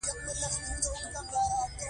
اوبښتي د سره غونډ په غره کي دي.